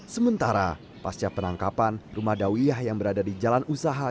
sementara pasca penangkapan rumah dawiyah yang berada di jalan usaha